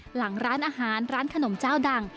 หลังร้านอาหารร้านขนมเจ้าดัง